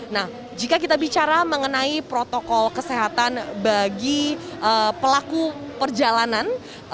nah jika kita bicara mengenai protokol kesehatan bagi pelaku perjalanan